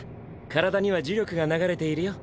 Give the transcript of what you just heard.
体には呪力が流れているよ。